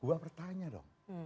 gua bertanya dong